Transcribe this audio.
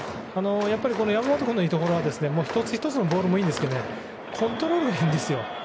やっぱり山本君のいいところは１つ１つのボールもいいんですがコントロールなんですよ。